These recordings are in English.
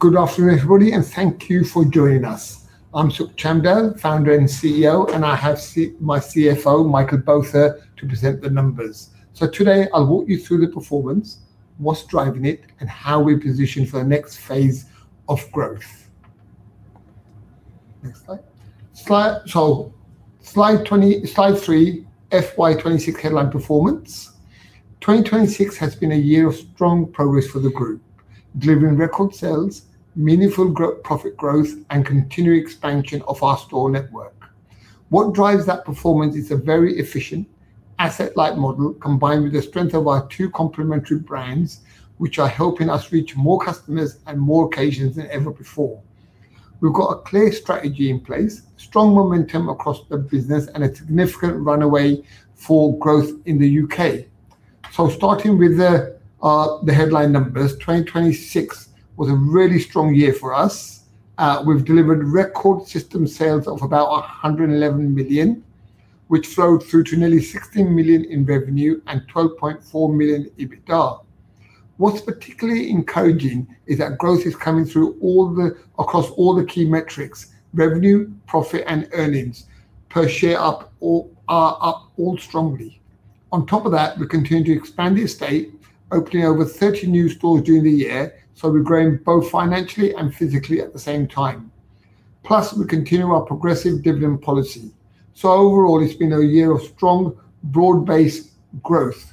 Good afternoon, everybody, and thank you for joining us. I'm Sukh Chamdal, founder and CEO, and I have my CFO, Michael Botha, to present the numbers. Today I'll walk you through the performance, what's driving it, and how we position for the next phase of growth. Next slide. Slide three, FY 2026 headline performance. 2026 has been a year of strong progress for the group, delivering record sales, meaningful profit growth, and continued expansion of our store network. What drives that performance is a very efficient asset-light model, combined with the strength of our two complementary brands, which are helping us reach more customers and more occasions than ever before. We've got a clear strategy in place, strong momentum across the business, and a significant runway for growth in the U.K. Starting with the headline numbers, 2026 was a really strong year for us. We've delivered record system sales of about 111 million, which flowed through to nearly 16 million in revenue and 12.4 million EBITDA. What's particularly encouraging is that growth is coming through across all the key metrics. Revenue, profit, and earnings per share are up all strongly. On top of that, we continue to expand the estate, opening over 30 new stores during the year, so we're growing both financially and physically at the same time. Plus, we continue our progressive dividend policy. Overall, it's been a year of strong, broad-based growth.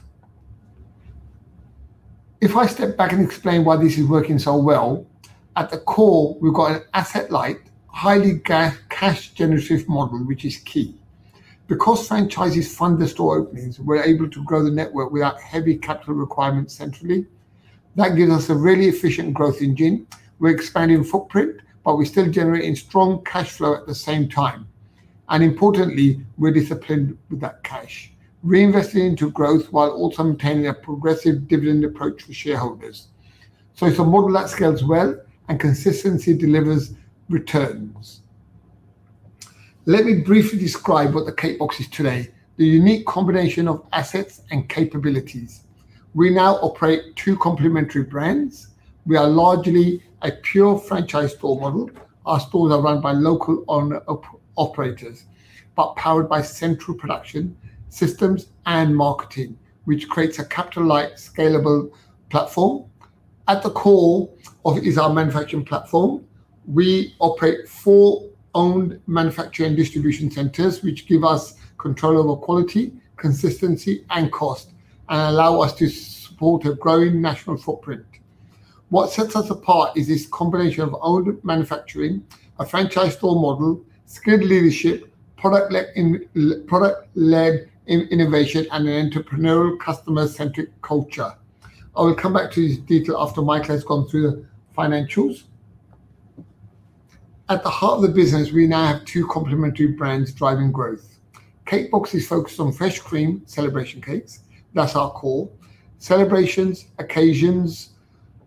If I step back and explain why this is working so well, at the core, we've got an asset-light, highly cash generative model, which is key. Because franchises fund the store openings, we're able to grow the network without heavy capital requirements centrally. That gives us a really efficient growth engine. We're expanding footprint, but we're still generating strong cash flow at the same time. Importantly, we're disciplined with that cash, reinvesting into growth while also maintaining a progressive dividend approach for shareholders. It's a model that scales well and consistently delivers returns. Let me briefly describe what Cake Box is today, the unique combination of assets and capabilities. We now operate two complementary brands. We are largely a pure franchise store model. Our stores are run by local operators, but powered by central production, systems, and marketing, which creates a capital light, scalable platform. At the core of it is our manufacturing platform. We operate four owned manufacturing distribution centers, which give us control over quality, consistency, and cost, and allow us to support a growing national footprint. What sets us apart is this combination of owned manufacturing, a franchise store model, skilled leadership, product-led innovation, and an entrepreneurial, customer-centric culture. I will come back to this detail after Michael has gone through the financials. At the heart of the business, we now have two complementary brands driving growth. Cake Box is focused on fresh cream celebration cakes. That's our core. Celebrations, occasions,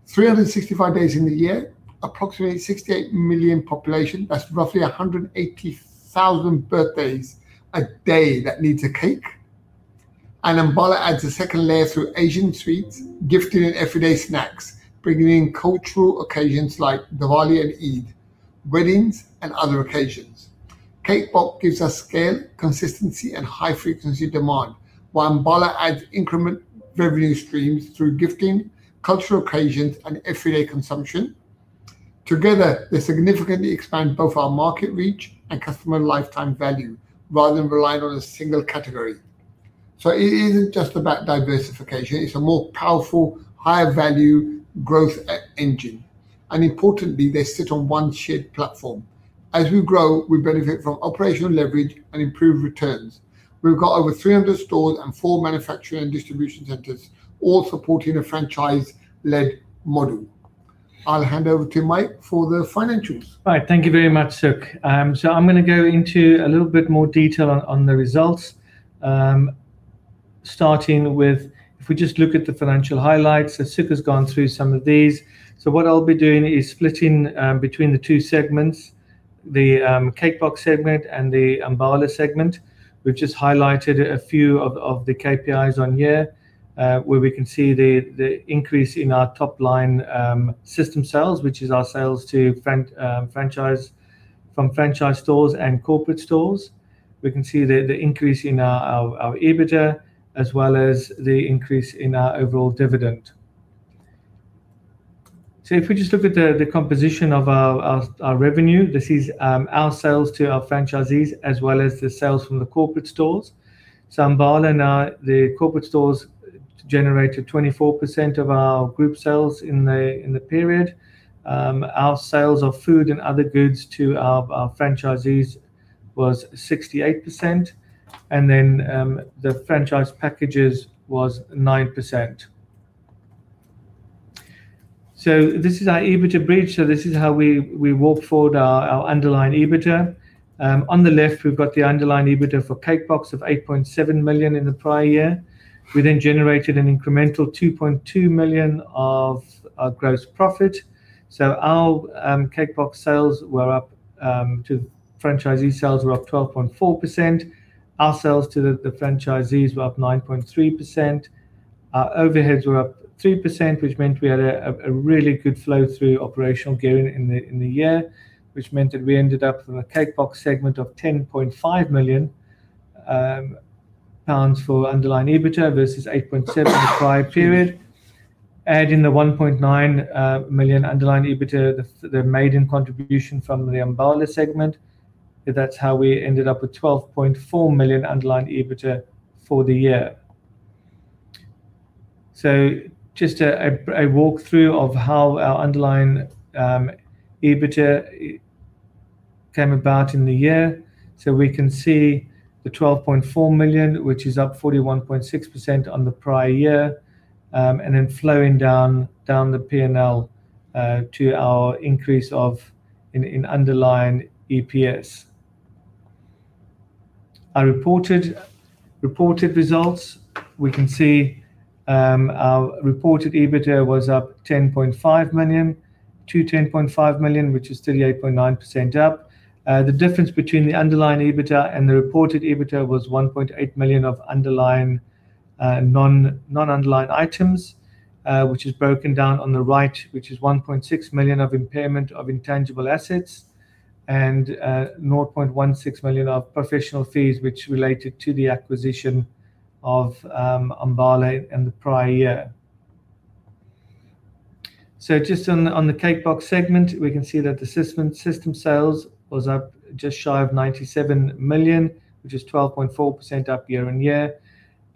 365 days in the year, approximately 68 million population. That's roughly 180,000 birthdays a day that needs a cake. Ambala adds a second layer through Asian sweets, gifting and everyday snacks, bringing in cultural occasions like Diwali and Eid, weddings, and other occasions. Cake Box gives us scale, consistency, and high frequency demand, while Ambala adds incremental revenue streams through gifting, cultural occasions, and everyday consumption. Together, they significantly expand both our market reach and customer lifetime value rather than relying on a single category. It isn't just about diversification. It's a more powerful, higher value growth engine. Importantly, they sit on one shared platform. As we grow, we benefit from operational leverage and improved returns. We've got over 300 stores and four manufacturing and distribution centers, all supporting a franchise-led model. I'll hand over to Mike for the financials. All right. Thank you very much, Sukh. I'm going to go into a little bit more detail on the results, starting with if we just look at the financial highlights as Sukh has gone through some of these. What I'll be doing is splitting between the two segments, the Cake Box segment and the Ambala segment. We've just highlighted a few of the KPIs on here, where we can see the increase in our top line system sales, which is our sales from franchise stores and corporate stores. We can see the increase in our EBITDA as well as the increase in our overall dividend. If we just look at the composition of our revenue, this is our sales to our franchisees as well as the sales from the corporate stores. Ambala and the corporate stores generated 24% of our group sales in the period. Our sales of food and other goods to our franchises was 68%, and then the franchise packages was 9%. This is our EBITDA bridge. This is how we walk forward our underlying EBITDA. On the left, we've got the underlying EBITDA for Cake Box of 8.7 million in the prior year. We then generated an incremental 2.2 million of our gross profit. Our Cake Box franchisee sales were up 12.4%. Our sales to the franchisees were up 9.3%. Our overheads were up 3%, which meant we had a really good flow through operational gearing in the year, which meant that we ended up with a Cake Box segment of 10.5 million pounds for underlying EBITDA versus 8.7 in the prior period. Add in the 1.9 million underlying EBITDA, the maiden contribution from the Ambala segment, that's how we ended up with 12.4 million underlying EBITDA for the year. Just a walkthrough of how our underlying EBITDA came about in the year. We can see the 12.4 million, which is up 41.6% on the prior year, and then flowing down the P&L to our increase of in underlying EPS. Our reported results. We can see our reported EBITDA was up to 10.5 million, which is 8.9% up. The difference between the underlying EBITDA and the reported EBITDA was 1.8 million of underlying non-underlying items, which is broken down on the right, which is 1.6 million of impairment of intangible assets and 0.16 million of professional fees, which related to the acquisition of Ambala in the prior year. Just on the Cake Box segment, we can see that the system sales was up just shy of 97 million, which is 12.4% up year-on-year.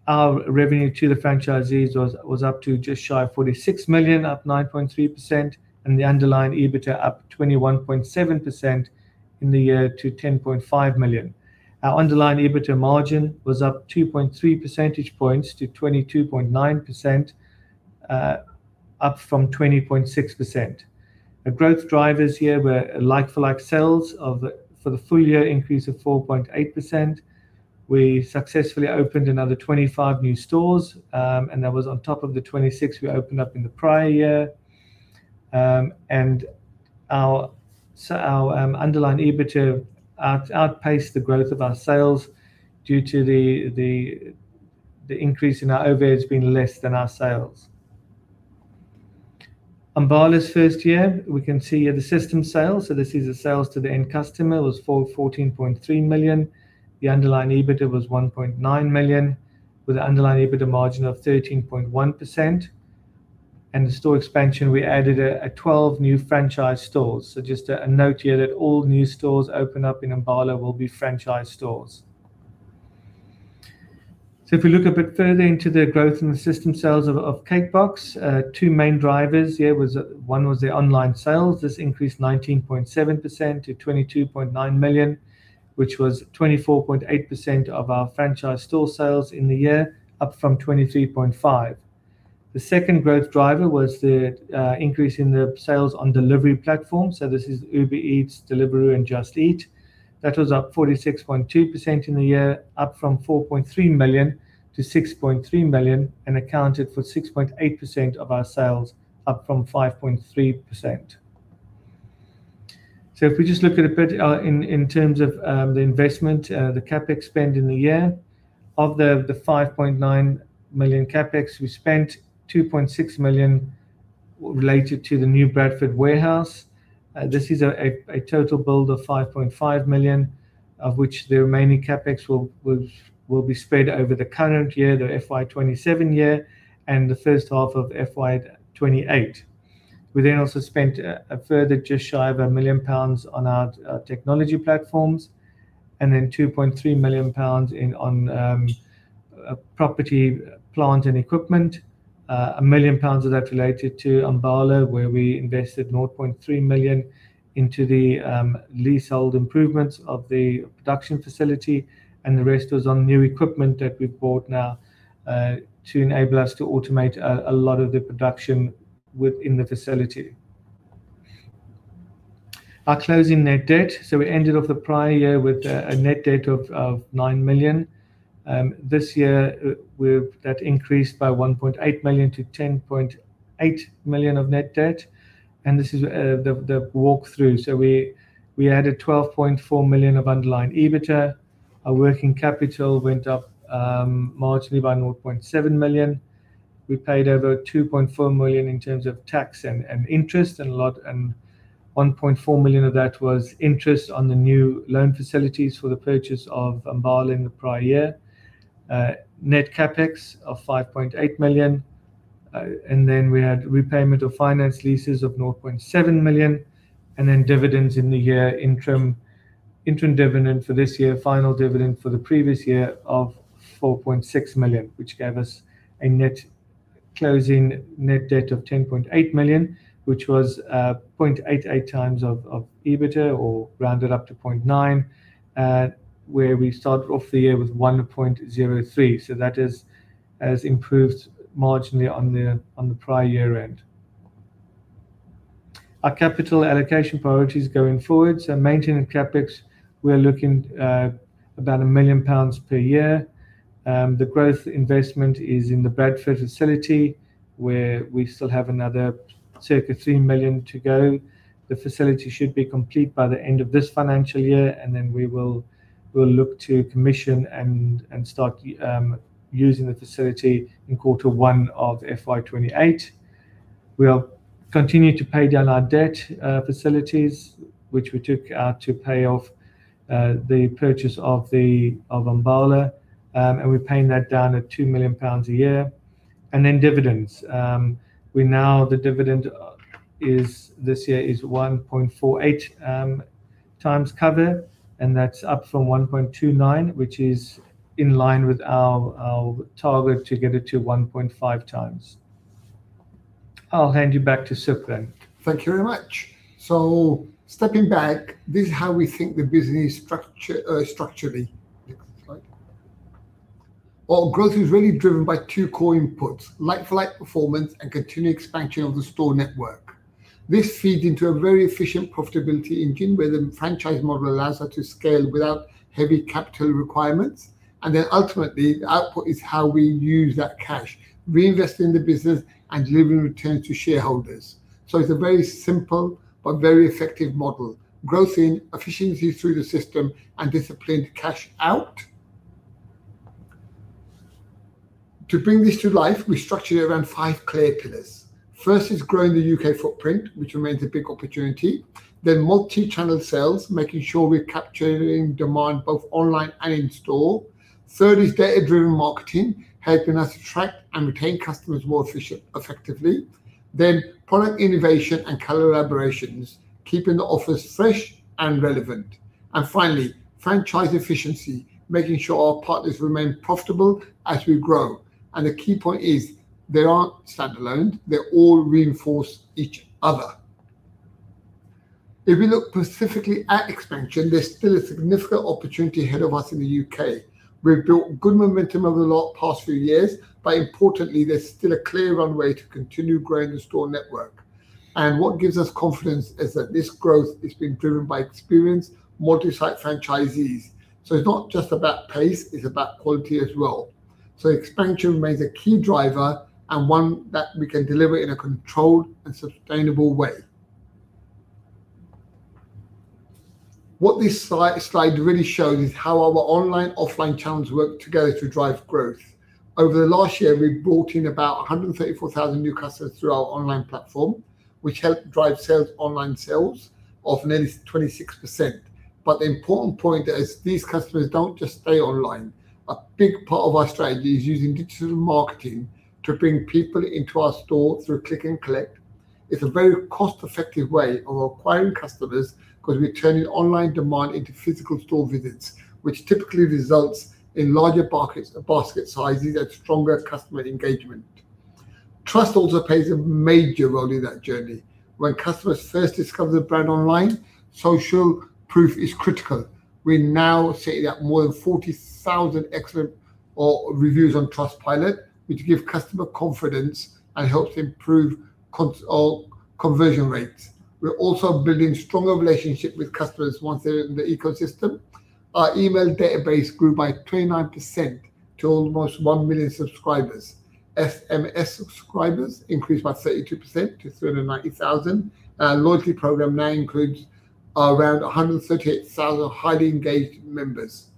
Our revenue to the franchisees was up to just shy of 46 million, up 9.3%, and the underlying EBITDA up 21.7% in the year to 10.5 million. Our underlying EBITDA margin was up 2.3 percentage points to 22.9%, up from 20.6%. The growth drivers here were like-for-like sales for the full year increase of 4.8%. We successfully opened another 25 new stores, and that was on top of the 26 we opened up in the prior year. Our underlying EBITDA outpaced the growth of our sales due to the increase in our overheads being less than our sales. Ambala's first year, we can see the system sales, so this is the sales to the end customer, was 14.3 million. The underlying EBITDA was 1.9 million with an underlying EBITDA margin of 13.1%. The store expansion, we added 12 new franchise stores. Just a note here that all new stores open up in Ambala will be franchise stores. If we look a bit further into the growth in the system sales of Cake Box, two main drivers here was one was the online sales. This increased 19.7% to 22.9 million, which was 24.8% of our franchise store sales in the year, up from 23.5%. The second growth driver was the increase in the sales on delivery platforms. This is Uber Eats, Deliveroo, and Just Eat. That was up 46.2% in the year, up from 4.3 million to 6.3 million, and accounted for 6.8% of our sales, up from 5.3%. If we just look at a bit in terms of the investment, the CapEx spend in the year. Of the 5.9 million CapEx, we spent 2.6 million related to the new Bradford warehouse. This is a total build of 5.5 million, of which the remaining CapEx will be spread over the current year, the FY 2027, and the first half of FY 2028. We then also spent a further just shy of 1 million pounds on our technology platforms and then 2.3 million pounds on property, plant, and equipment. 1 million pounds of that related to Ambala where we invested 0.3 million into the leasehold improvements of the production facility and the rest was on new equipment that we've bought now to enable us to automate a lot of the production within the facility. Our closing net debt. We ended off the prior year with a net debt of 9 million. This year, that increased by 1.8 million to 10.8 million of net debt. This is the walkthrough. We added 12.4 million of underlying EBITDA. Our working capital went up marginally by 0.7 million. We paid over 2.4 million in terms of tax and interest, 1.4 million of that was interest on the new loan facilities for the purchase of Ambala in the prior year. Net CapEx of 5.8 million. We had repayment of finance leases of 0.7 million, dividends in the year, interim dividend for this year, final dividend for the previous year of 4.6 million, which gave us a closing net debt of 10.8 million, which was 0.88x of EBITDA or rounded up to 0.9x, where we started off the year with 1.03x. That has improved marginally on the prior year end. Our capital allocation priorities going forward. Maintenance CapEx, we are looking about 1 million pounds per year. The growth investment is in the Bradford facility, where we still have another circa 3 million to go. The facility should be complete by the end of this financial year. Then we will look to commission and start using the facility in quarter 1 of FY 2028. We are continuing to pay down our debt facilities, which we took to pay off the purchase of Ambala. We're paying that down at 2 million pounds a year. Then dividends. The dividend this year is 1.48 times cover. That's up from 1.29, which is in line with our target to get it to 1.5 times. I'll hand you back to Sukh then. Thank you very much. Stepping back, this is how we think the business structurally looks like. Our growth is really driven by two core inputs, like-for-like performance and continued expansion of the store network. This feeds into a very efficient profitability engine, where the franchise model allows us to scale without heavy capital requirements. Then ultimately, the output is how we use that cash, reinvest in the business, and deliver returns to shareholders. It's a very simple but very effective model. Growth in efficiency through the system and disciplined cash out. To bring this to life, we structure it around five clear pillars. First is growing the U.K. footprint, which remains a big opportunity. Then multi-channel sales, making sure we're capturing demand both online and in store. Third is data driven marketing, helping us attract and retain customers more effectively. Then product innovation and collaborations, keeping the offers fresh and relevant. Finally, franchise efficiency, making sure our partners remain profitable as we grow. The key point is they aren't standalone. They all reinforce each other. If we look specifically at expansion, there's still a significant opportunity ahead of us in the U.K. We've built good momentum over the past few years. Importantly, there's still a clear runway to continue growing the store network. What gives us confidence is that this growth is being driven by experienced multi-site franchisees. It's not just about pace, it's about quality as well. Expansion remains a key driver and one that we can deliver in a controlled and sustainable way. What this slide really shows is how our online, offline channels work together to drive growth. Over the last year, we've brought in about 134,000 new customers through our online platform, which helped drive online sales of nearly 26%. The important point is these customers don't just stay online. A big part of our strategy is using digital marketing to bring people into our store through click and collect. It's a very cost effective way of acquiring customers because we are turning online demand into physical store visits, which typically results in larger basket sizes and stronger customer engagement. Trust also plays a major role in that journey. When customers first discover the brand online, social proof is critical. We now sit at more than 40,000 excellent reviews on Trustpilot, which give customer confidence and helps improve conversion rates. We're also building stronger relationships with customers once they're in the ecosystem. Our email database grew by 29% to almost 1 million subscribers. SMS subscribers increased by 32% to 390,000. Our loyalty program now includes around 138,000 highly engaged members.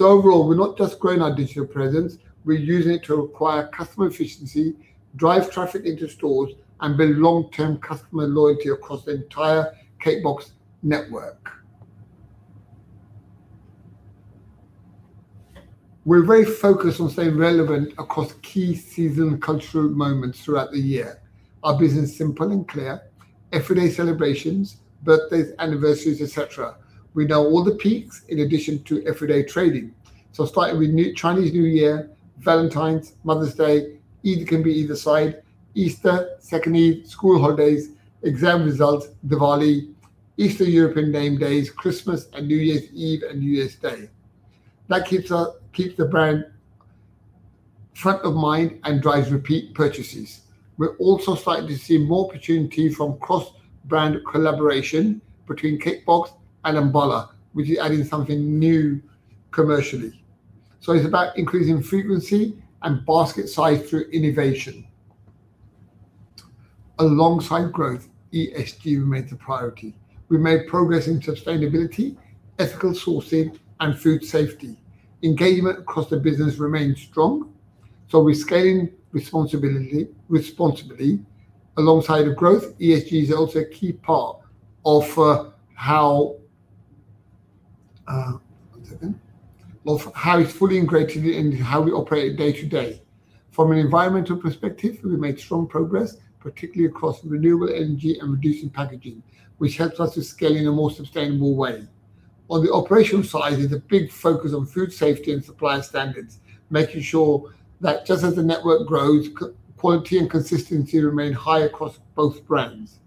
Overall, we're not just growing our digital presence, we're using it to acquire customer efficiency, drive traffic into stores, and build long term customer loyalty across the entire Cake Box network. We're very focused on staying relevant across key seasonal cultural moments throughout the year. Our business is simple and clear. Everyday celebrations, birthdays, anniversaries, et cetera. We know all the peaks in addition to everyday trading. Starting with Chinese New Year, Valentine's, Mother's Day, Eid can be either side, Easter, Second Eid, school holidays, exam results, Diwali, Eastern European name days, Christmas, and New Year's Eve and New Year's Day. That keeps the brand front of mind and drives repeat purchases. We're also starting to see more opportunity from cross brand collaboration between Cake Box and Ambala, which is adding something new commercially. It's about increasing frequency and basket size through innovation. Alongside growth, ESG remains a priority. We made progress in sustainability, ethical sourcing, and food safety. Engagement across the business remains strong, so we're scaling responsibility alongside the growth. ESG is also a key part of how it's fully integrated in how we operate day to day. From an environmental perspective, we made strong progress, particularly across renewable energy and reducing packaging, which helps us to scale in a more sustainable way. On the operational side is a big focus on food safety and supplier standards, making sure that just as the network grows, quality and consistency remain high across both brands.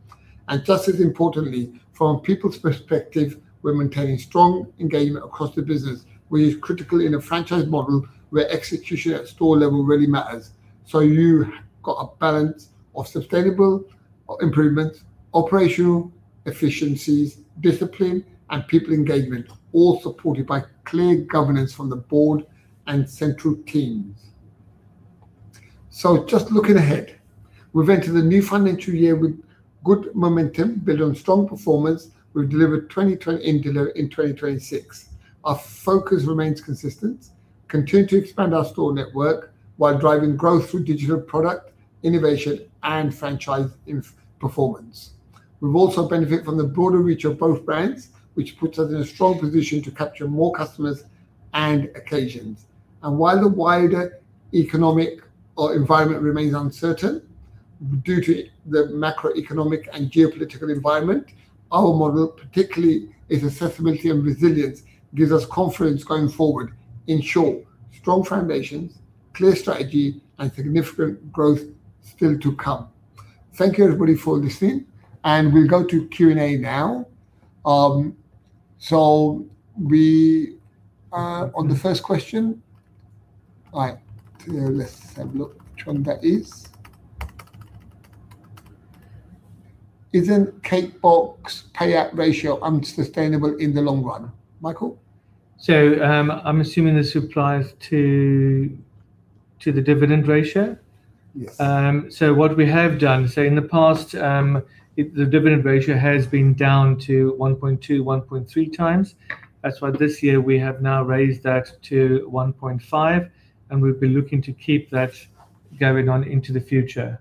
Just as importantly, from a people's perspective, we're maintaining strong engagement across the business, which is critical in a franchise model where execution at store level really matters. You got a balance of sustainable improvement, operational efficiencies, discipline, and people engagement, all supported by clear governance from the board and central teams. Just looking ahead, we've entered the new financial year with good momentum built on strong performance we've delivered in 2026. Our focus remains consistent, continue to expand our store network while driving growth through digital product innovation and franchise performance. We've also benefited from the broader reach of both brands, which puts us in a strong position to capture more customers and occasions. While the wider economic environment remains uncertain due to the macroeconomic and geopolitical environment, our model particularly its assets and resilience gives us confidence going forward. In short, strong foundations, clear strategy, and significant growth still to come. Thank you everybody for listening, and we'll go to Q&A now. On the first question, let's have a look which one that is. Isn't Cake Box payout ratio unsustainable in the long run? Michael? I'm assuming this applies to the dividend ratio. Yes. What we have done, in the past, the dividend ratio has been down to 1.2, 1.3 times. That's why this year we have now raised that to 1.5, and we've been looking to keep that going on into the future.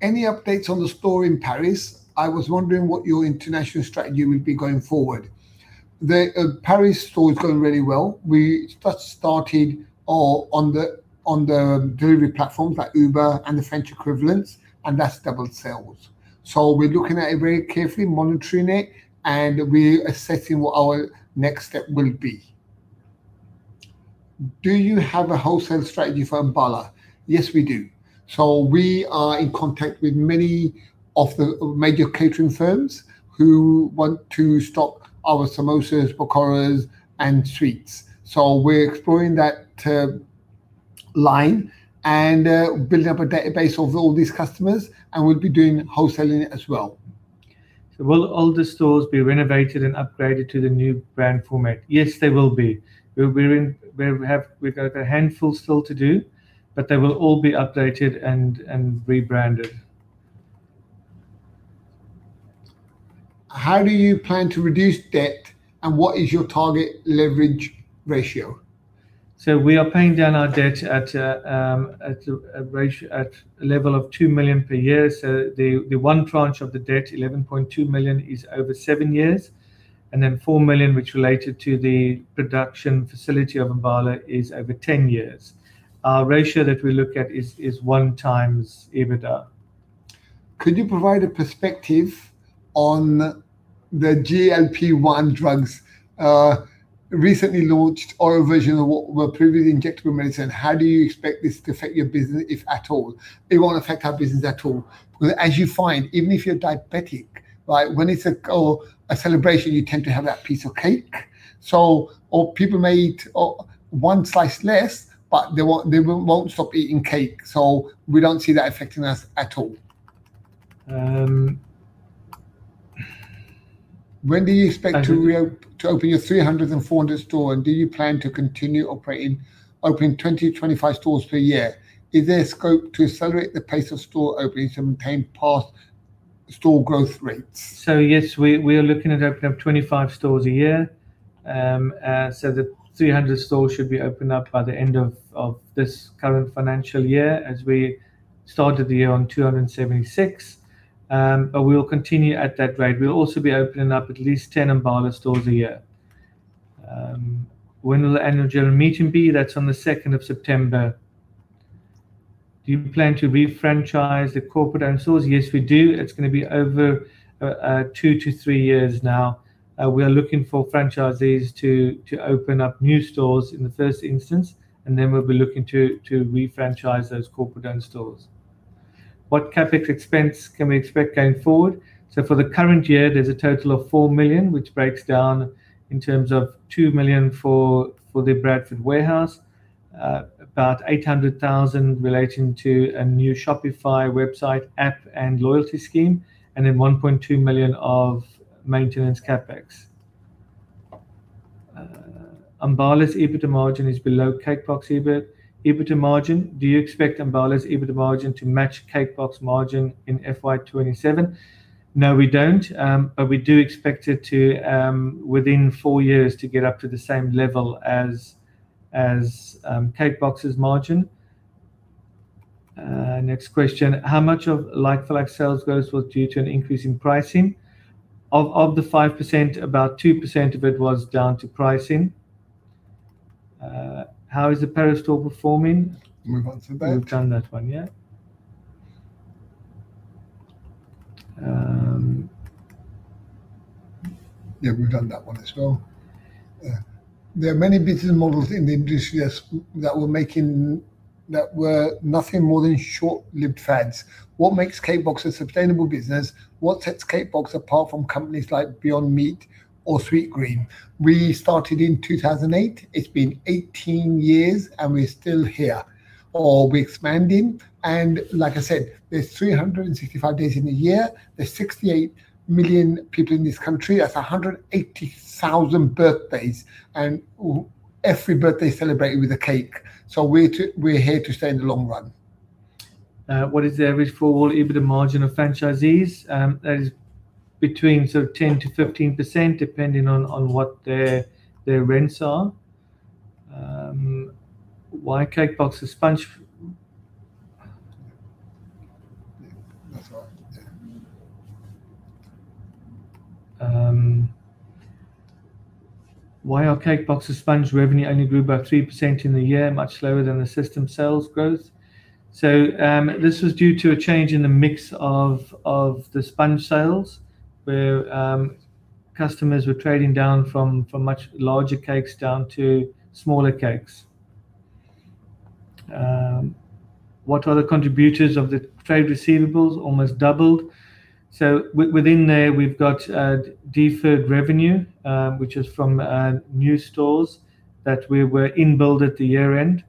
Any updates on the store in Paris? I was wondering what your international strategy would be going forward. The Paris store is going really well. We first started on the delivery platforms like Uber and the French equivalents, and that's doubled sales. We're looking at it very carefully, monitoring it, and we're assessing what our next step will be. Do you have a wholesale strategy for Ambala? Yes, we do. We are in contact with many of the major catering firms who want to stock our samosas, pakoras, and sweets. We're exploring that line and building up a database of all these customers, and we'll be doing wholesaling as well. Will all the stores be renovated and upgraded to the new brand format? Yes, they will be. We've got a handful still to do, but they will all be updated and rebranded. How do you plan to reduce debt, and what is your target leverage ratio? We are paying down our debt at a level of 2 million per year. The one tranche of the debt, 11.2 million, is over seven years, and then 4 million, which related to the production facility of Ambala, is over 10 years. Our ratio that we look at is one times EBITDA. Could you provide a perspective on the GLP-1 drugs, recently launched oral version of what were previously injectable medicine. How do you expect this to affect your business, if at all? It won't affect our business at all. As you find, even if you're diabetic, when it's a celebration, you tend to have that piece of cake. People may eat one slice less, but they won't stop eating cake. We don't see that affecting us at all. When do you expect to open your 300 and 400 store, and do you plan to continue operating, opening 20 to 25 stores per year? Is there scope to accelerate the pace of store openings and maintain past store growth rates? Yes, we are looking at opening up 25 stores a year. The 300 stores should be opened up by the end of this current financial year, as we started the year on 276. We will continue at that rate. We'll also be opening up at least 10 Ambala stores a year. When will the annual general meeting be? That's on the 2nd of September. Do you plan to refranchise the corporate-owned stores? Yes, we do. It's going to be over two to three years now. We are looking for franchisees to open up new stores in the first instance, and then we'll be looking to refranchise those corporate-owned stores. What CapEx expense can we expect going forward? For the current year, there's a total of 4 million, which breaks down in terms of 2 million for the Bradford warehouse, about 800,000 relating to a new Shopify website, app, and loyalty scheme, and then 1.2 million of maintenance CapEx. Ambala's EBITDA margin is below Cake Box EBIT. EBITDA margin, do you expect Ambala's EBITDA margin to match Cake Box margin in FY 2027? No, we don't. We do expect it to within four years to get up to the same level as Cake Box's margin. Next question, how much of like-for-like sales growth was due to an increase in pricing? Of the 5%, about 2% of it was down to pricing. How is the Paris store performing? Move on from that. We've done that one, yeah. Yeah, we've done that one as well. Yeah. There are many business models in the industry that were nothing more than short-lived fads. What makes Cake Box a sustainable business? What sets Cake Box apart from companies like Beyond Meat or Sweetgreen? We started in 2008. It's been 18 years, and we're still here, or we're expanding. Like I said, there's 365 days in a year. There's 68 million people in this country. That's 180,000 birthdays, and every birthday is celebrated with a cake. We're here to stay in the long run. What is the average for all EBITDA margin of franchisees? That is between sort of 10%-15%, depending on what their rents are. Why Cake Box's sponge That's all right. Yeah. Why our Cake Box's sponge revenue only grew by 3% in the year, much lower than the system sales growth? This was due to a change in the mix of the sponge sales, where customers were trading down from much larger cakes down to smaller cakes. What are the contributors of the trade receivables almost doubled? Within there we've got deferred revenue, which is from new stores that we were in build at the year-end,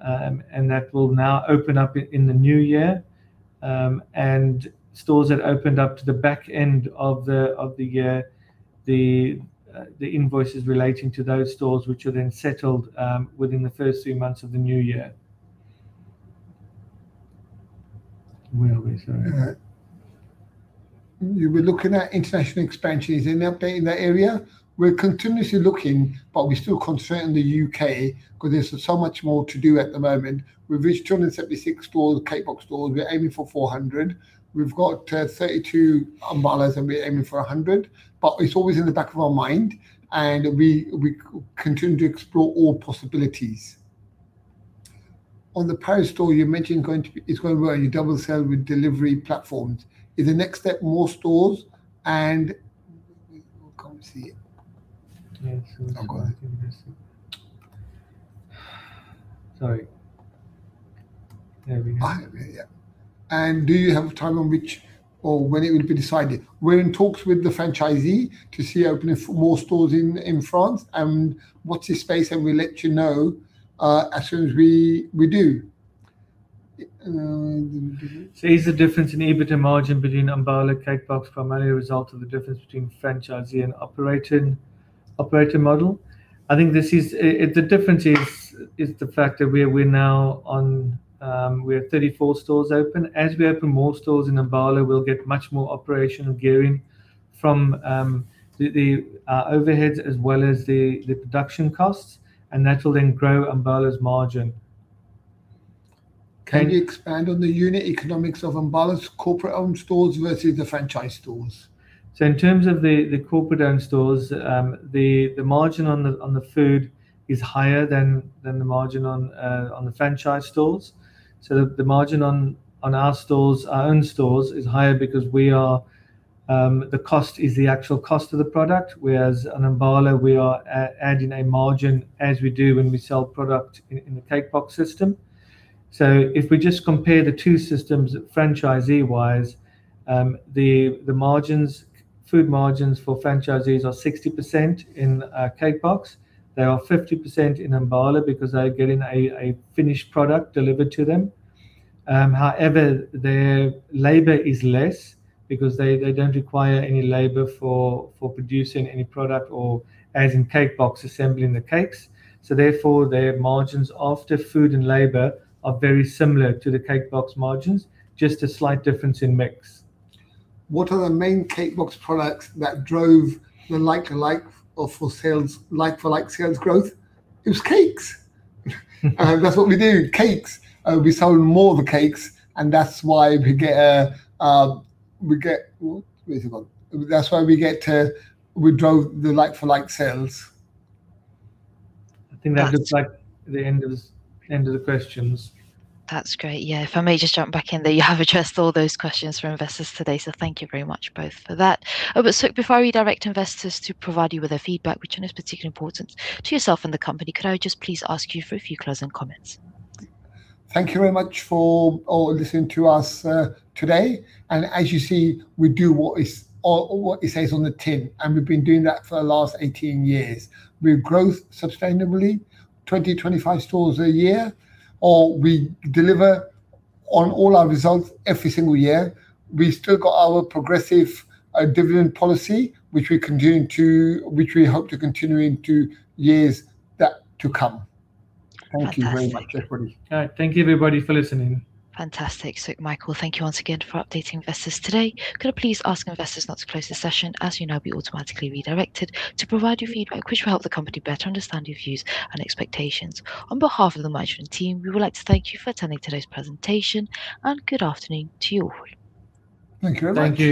and that will now open up in the new year. Stores that opened up to the back end of the year, the invoices relating to those stores, which are then settled within the first few months of the new year. Where are we, sorry? You were looking at international expansions. Any update in that area? We're continuously looking, but we're still constrained in the U.K. because there's so much more to do at the moment. We've reached 276 stores, Cake Box stores. We're aiming for 400. We've got 32 Ambalas, and we're aiming for 100. It's always in the back of our mind, and we continue to explore all possibilities. On the Paris store you mentioned it's going well, you double sell with delivery platforms. Is the next step more stores? We'll come to you. Yeah. I've got it. Sorry. There we go. Yeah. Do you have a time on which or when it will be decided? We're in talks with the franchisee to see opening more stores in France and watch this space, and we'll let you know as soon as we do. Here's the difference in EBITDA margin between Ambala, Cake Box primarily a result of the difference between franchisee and operator model. I think the difference is the fact that we now have 34 stores open. As we open more stores in Ambala, we'll get much more operational gearing from the overheads as well as the production costs, and that will then grow Ambala's margin. Can you expand on the unit economics of Ambala's corporate-owned stores versus the franchise stores? In terms of the corporate-owned stores, the margin on the food is higher than the margin on the franchise stores. The margin on our stores, our own stores, is higher because the cost is the actual cost of the product, whereas on Ambala we are adding a margin as we do when we sell product in the Cake Box system. If we just compare the two systems franchisee-wise, the food margins for franchisees are 60% in Cake Box. They are 50% in Ambala because they're getting a finished product delivered to them. However, their labor is less because they don't require any labor for producing any product or as in Cake Box, assembling the cakes. Therefore, their margins after food and labor are very similar to the Cake Box margins. Just a slight difference in mix. What are the main Cake Box products that drove the like-for-like sales growth? It was cakes. That's what we do, cakes. We sold more of the cakes. That's why we drove the like-for-like sales. I think that looks like the end of the questions. That's great. Yeah, if I may just jump back in there, you have addressed all those questions from investors today, so thank you very much both for that. Sukh, before I redirect investors to provide you with their feedback, which I know is particularly important to yourself and the company, could I just please ask you for a few closing comments? Thank you very much for all listening to us today. As you see, we do what it says on the tin, and we've been doing that for the last 18 years. We've grown sustainably, 20, 25 stores a year, or we deliver on all our results every single year. We've still got our progressive dividend policy, which we hope to continue into years to come. Fantastic. Thank you very much, everybody. Thank you, everybody, for listening. Fantastic. Sukh, Michael, thank you once again for updating investors today. Could I please ask investors not to close this session, as you'll now be automatically redirected to provide your feedback, which will help the company better understand your views and expectations. On behalf of the management team, we would like to thank you for attending today's presentation. Good afternoon to you all. Thank you, everybody.